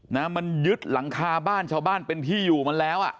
นะมันยึดหลังคาบ้านชาวบ้านเป็นที่อยู่มันแล้วอ่ะ